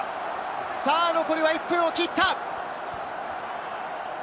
残り１分を切った。